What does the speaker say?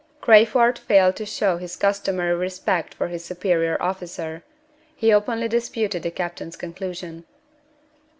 Crayford failed to show his customary respect for his superior officer. He openly disputed the captain's conclusion.